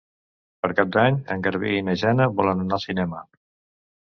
Per Cap d'Any en Garbí i na Jana volen anar al cinema.